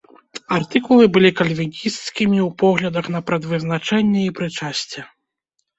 Артыкулы былі кальвінісцкімі ў поглядах на прадвызначэнне і прычасце.